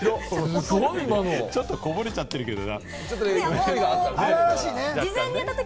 ちょっと、こぼれちゃってるけれどな。